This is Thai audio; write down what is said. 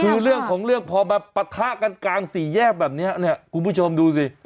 คือเรื่องของเรื่องพอมาปะทะกันกลางสี่แยกแบบนี้เนี่ยคุณผู้ชมดูสิ